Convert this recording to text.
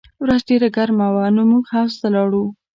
ورځ ډېره ګرمه وه نو موږ حوض ته لاړو